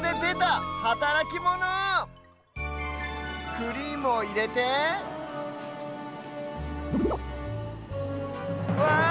クリームをいれてわあ！